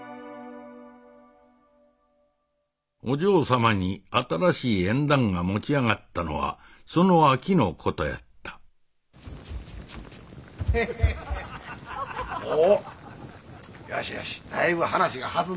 お嬢様に新しい縁談が持ち上がったのはその秋のことやった・おおよしよし大分話がはずんどるな。